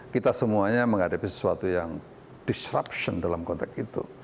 kita semuanya menghadapi sesuatu yang disruption dalam konteks itu